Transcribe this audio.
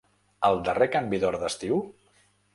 El darrer canvi d’hora d’estiu?